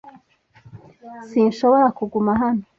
Sinshobora kuguma hano.